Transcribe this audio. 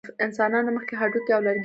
انسانانو مخکې هډوکي او لرګي کارول.